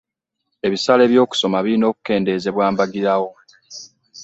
Ebisale by'okusoma birina okukendeezebwa mbagirawo.